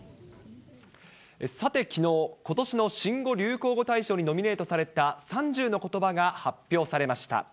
さてきのう、ことしの新語・流行語大賞にノミネートされた３０のことばが発表されました。